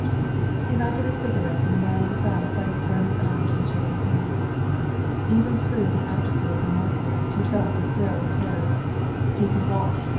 He lighted a cigarette, and the man inside saw his burning eyes and shaking hands. Even through the apathy of the morphia he felt a thrill of terror. He could walk.